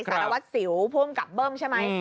สารวัตรสิวพ่วงกับเบิ้มใช่ไหม